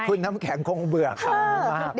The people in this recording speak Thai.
คุณน้ำแข็งคงเบื่อคำนี้มาก